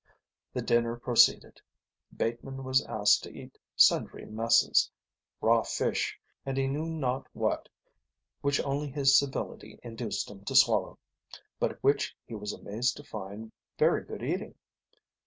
The dinner proceeded. Bateman was asked to eat sundry messes, raw fish and he knew not what, which only his civility induced him to swallow, but which he was amazed to find very good eating.